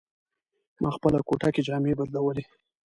ما خپله کوټه کې جامې بدلولې.